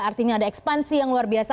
artinya ada ekspansi yang luar biasa